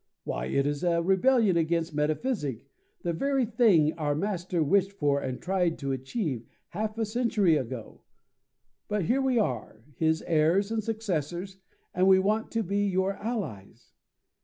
Why, it is a rebellion against Metaphysic, the very thing our master wished for and tried to achieve, half a century ago! But here we are, his heirs and successors, and we want to be your allies!